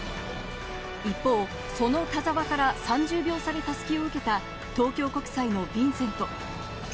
一方、その田澤から３０秒差で襷を受けた東京国際のヴィンセント。